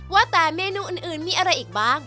ว่าแต่เมนูอื่นมีอะไรอีกบ้าง